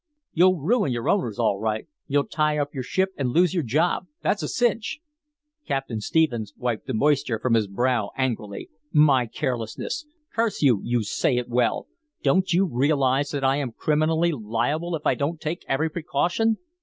You'll ruin your owners, all right. You'll tie up your ship and lose your job, that's a cinch!" Captain Stephens wiped the moisture from his brow angrily. "My carelessness! Curse you you say it well. Don't you realize that I am criminally liable if I don't take every precaution?"